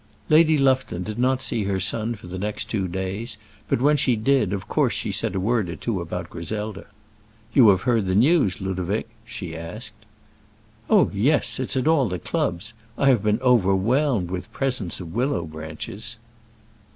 Lady Lufton did not see her son for the next two days, but when she did, of course she said a word or two about Griselda. "You have heard the news, Ludovic?" she asked. "Oh, yes: it's at all the clubs. I have been overwhelmed with presents of willow branches."